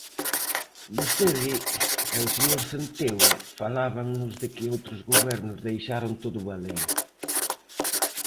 Vostede e o señor Centeo falábannos de que outros gobernos deixaron todo baleiro.